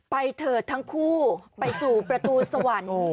เถิดทั้งคู่ไปสู่ประตูสวรรค์